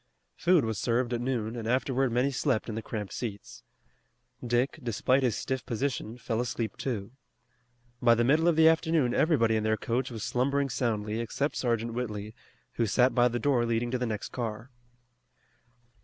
Food was served at noon and afterward many slept in the cramped seats. Dick, despite his stiff position, fell asleep too. By the middle of the afternoon everybody in their coach was slumbering soundly except Sergeant Whitley, who sat by the door leading to the next car.